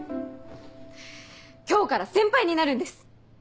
今日から先輩になるんです！